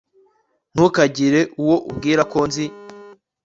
ntukagire uwo ubwira ko nzi